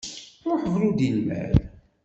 Ruḥ bru-d i lmal.